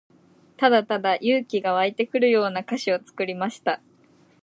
ただただ勇気が湧いてくるような歌詞を作りました。